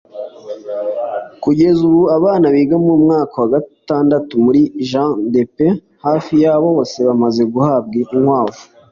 Kugeza ubu abana biga mu mwaka wa gatandatu muri ‘Jean Depaepe’ hafi ya bose bamaze guhabwa inkwavu